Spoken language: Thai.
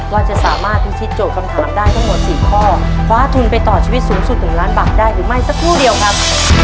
ว่าจะสามารถพิธีโจทย์คำถามได้ทั้งหมด๔ข้อคว้าทุนไปต่อชีวิตสูงสุด๑ล้านบาทได้หรือไม่สักครู่เดียวครับ